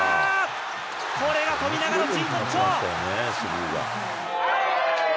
これが富永の真骨頂。